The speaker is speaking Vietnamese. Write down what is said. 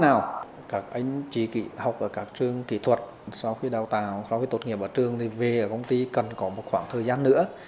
các anh chỉ học ở các trường kỹ thuật sau khi đào tạo sau khi tốt nghiệp ở trường thì về ở công ty cần có một khoảng thời gian nữa